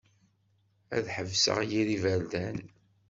Ad ḥebseɣ yir iberdan.